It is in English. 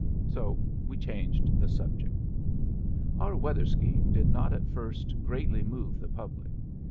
So we changed the subject. Our weather scheme did not at first greatly move the public.